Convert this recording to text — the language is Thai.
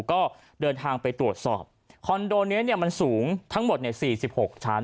ก็เดินทางไปตรวจสอบคอนโดนี้มันสูงทั้งหมด๔๖ชั้น